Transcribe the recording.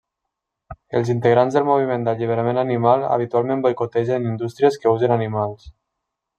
Els integrants del moviment d'alliberament animal habitualment boicotegen indústries que usen animals.